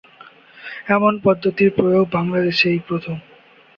এমন পদ্ধতির প্রয়োগ বাংলাদেশে এই প্রথম।